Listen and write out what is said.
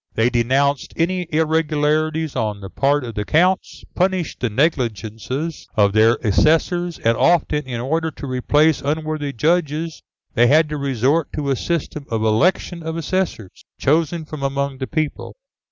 They denounced any irregularities on the part of the Counts, punished the negligences of their assessors, and often, in order to replace unworthy judges, they had to resort to a system of election of assessors, chosen from among the people.